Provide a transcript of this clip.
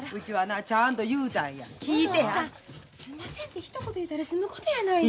すんませんてひと言言うたら済むことやないの。